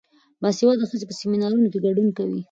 باسواده ښځې په سیمینارونو کې ګډون کوي.